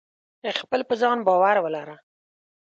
خپل په ځان باور ولره.